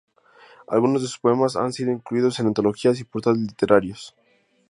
Algunos de sus poemas han sido incluidos en antologías y portales literarios.